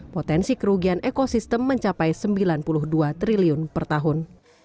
potensi kerugian ekosistem mencapai sembilan puluh dua triliun per tahun